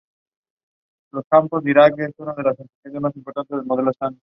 ha sido una evolución interesante y bonita